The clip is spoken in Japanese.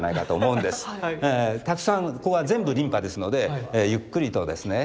たくさんここは全部琳派ですのでゆっくりとですね